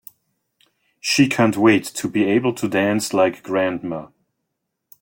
She can't wait to be able to dance like grandma!